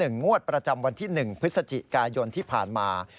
งวดประจำวันที่๑พฤศจิกายนที่ผ่านมา